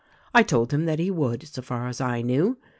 I told him that he would — so far as I knew.